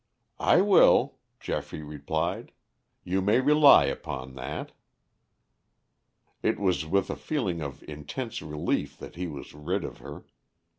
"I will," Geoffrey replied. "You may rely upon that." It was with a feeling of intense relief that he was rid of her.